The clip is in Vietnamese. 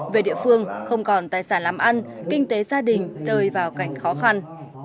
về địa phương không còn tài sản làm ăn kinh tế gia đình rơi vào cảnh khó khăn